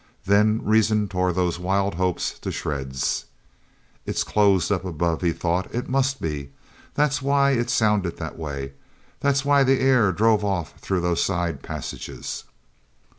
Then reason tore those wild hopes to shreds. "It's closed up above," he thought. "It must be. That's why it sounded that way. That's why the air drove off through those side passages."